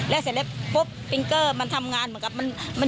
และเสร็จแล้วบุ๊บเปลี่ยนเพื่อกมันทำงานเหมือนกับมัน